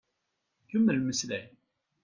Kemmel mmeslay.